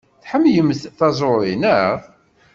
Tḥemmlemt taẓuri, naɣ?